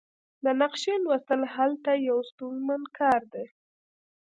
د نقشې لوستل هلته یو ستونزمن کار دی